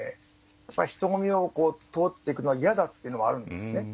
やっぱり人混みを通っていくのは嫌だってのもあるんですね。